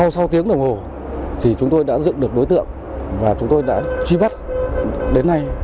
sau sáu tiếng đồng hồ chúng tôi đã dựng được đối tượng và chúng tôi đã truy bắt đến nay